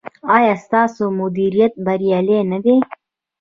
ایا ستاسو مدیریت بریالی نه دی؟